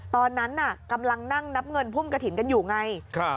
ตอนนั้นน่ะกำลังนั่งนับเงินพุ่มกระถิ่นกันอยู่ไง